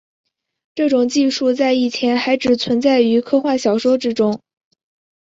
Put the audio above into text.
这种技术在以前还只存在于科幻小说之中。